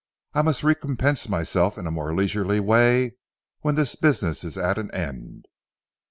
I must recompense myself in a more leisurely way, when this business is at an end."